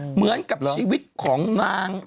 เหมือนกับชีวิตของนาง